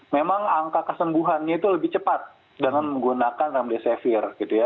memang angka kesembuhannya itu lebih cepat dengan menggunakan remdesivir gitu ya